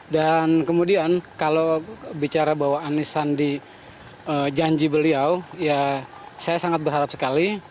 dan kemudian kalau bicara bahwa anisandi janji beliau ya saya sangat berharap sekali